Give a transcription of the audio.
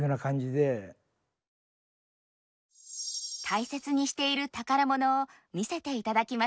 大切にしている宝物を見せていただきました。